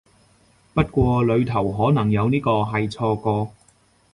不過裡頭可能有呢個係錯個